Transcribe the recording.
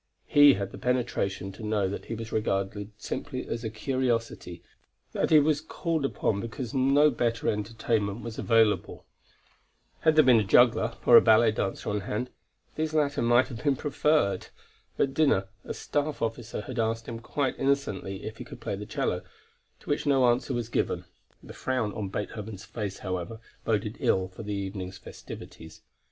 He had the penetration to know that he was regarded simply as a curiosity, that he was called on because no better entertainment was available. Had there been a juggler or a ballet dancer on hand, these latter might have been preferred. At dinner, a staff officer had asked him quite innocently if he could play the cello, to which no answer was given; the frown on Beethoven's face, however, boded ill for the evening's festivities.